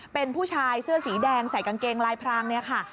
เป็นผู้ชายเสื้อสีแดงใส่กางเกงลายพรางเนี่ยค่ะ